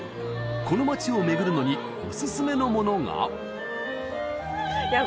この街を巡るのにおすすめのものがいや